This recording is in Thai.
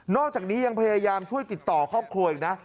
อกจากนี้ยังพยายามช่วยติดต่อครอบครัวอีกนะ